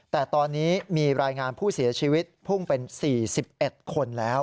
แต่ตอนนี้มีรายงานผู้เสียชีวิตพุ่งเป็น๔๑คนแล้ว